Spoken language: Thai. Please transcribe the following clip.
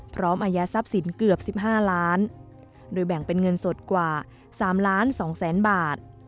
พร้อมอัยะทรัพย์สินเกือบ๑๕ล้านโดยแบ่งเป็นเงินสดกว่า๓๒๐๐๐๐๐บาท